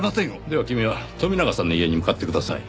では君は富永さんの家に向かってください。